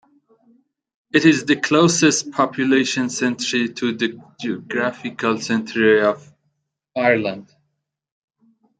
It is the closest population centre to the Geographical centre of Ireland.